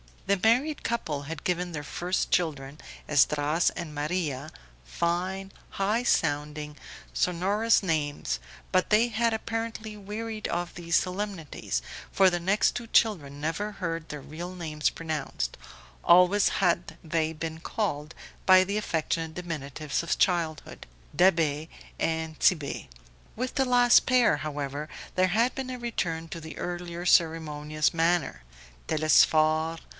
The married couple had given their first children, Esdras and Maria, fine, high sounding, sonorous names; but they had apparently wearied of these solemnities, for the next two children never heard their real names pronounced; always had they been called by the affectionate diminutives of childhood, Da'Be and Tit'Bé. With the last pair, however, there had been a return to the earlier ceremonious manner Telesphore